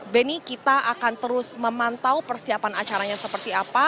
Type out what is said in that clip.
benny kita akan terus memantau persiapan acaranya seperti apa